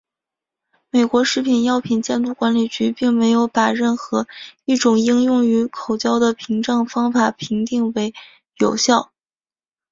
美国食品药品监督管理局并没有把任何一种应用于口交的屏障方法评定为有效。